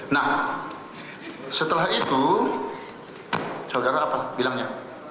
nah setelah itu saudara apa bilangnya